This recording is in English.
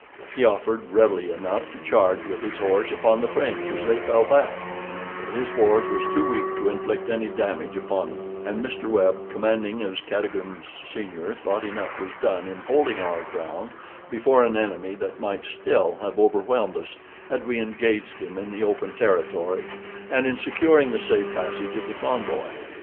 He offered, readily enough, to charge with his horse upon the French as they fell back; but his force was too weak to inflict any damage upon them; and Mr. Webb, commanding as Cadogan's senior, thought enough was done in holding our ground before an enemy that might still have overwhelmed us had we engaged him in the open territory, and in securing the safe passage of the convoy.